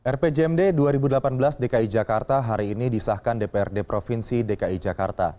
rpjmd dua ribu delapan belas dki jakarta hari ini disahkan dprd provinsi dki jakarta